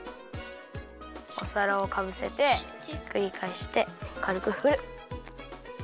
おさらをかぶせてひっくりかえしてかるくふる。